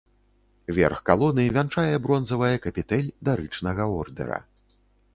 Верх калоны вянчае бронзавая капітэль дарычнага ордэра.